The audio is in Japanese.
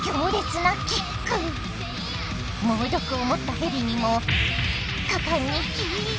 猛毒を持ったヘビにも果敢にキック。